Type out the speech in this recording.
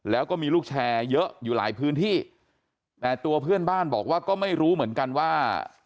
แล้วก็มีลูกแชร์เยอะอยู่หลายพื้นที่แต่ตัวเพื่อนบ้านบอกว่าก็ไม่รู้เหมือนกันว่า